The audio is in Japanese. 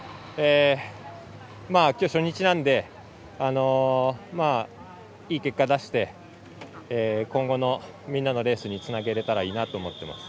今日、初日なのでいい結果を出して今後のみんなのレースにつなげられたらと思います。